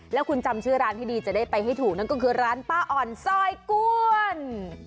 แล้วคุณจำชื่อร้านให้ดีจะได้ไปให้ถูกนั่นก็คือร้านป้าอ่อนซอยก้วน